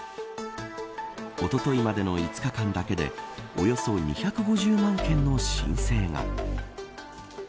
おとといまでの５日間だけでおよそ２５０万件の申請が。